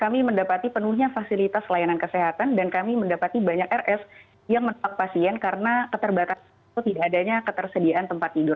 kami mendapati penuhnya fasilitas layanan kesehatan dan kami mendapati banyak rs yang menolak pasien karena keterbatasan itu tidak adanya ketersediaan tempat tidur